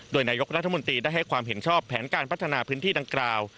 โดยนายกรัฐมนตรีได้ให้ความเห็นชอบแผนการพัฒนาพื้นที่ดังกล่าว